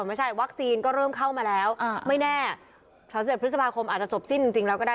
ไม่ใช่วัคซีนก็เริ่มเข้ามาแล้วอ่าไม่แน่สามสิบเอ็ดพฤษภาคมอาจจะจบสิ้นจริงจริงแล้วก็ได้